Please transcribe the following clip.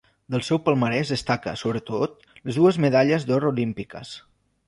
Del seu palmarès destaca, sobretot, les dues medalles d'or olímpiques.